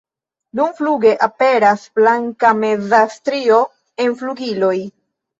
Dumfluge aperas blanka meza strio en flugiloj.